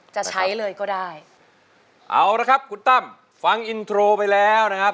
จะใช้เลยก็ได้เอาละครับคุณตั้มฟังอินโทรไปแล้วนะครับ